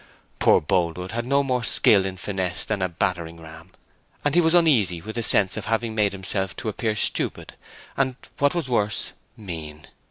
Poor Boldwood had no more skill in finesse than a battering ram, and he was uneasy with a sense of having made himself to appear stupid and, what was worse, mean.